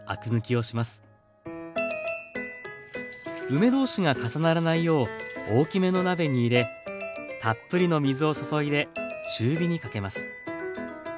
梅同士が重ならないよう大きめの鍋に入れたっぷりの水を注いで中火にかけます。